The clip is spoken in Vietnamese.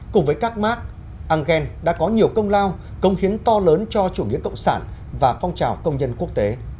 cùng với các mark engel đã có nhiều công lao công hiến to lớn cho chủ nghĩa cộng sản và phong trào công nhân quốc tế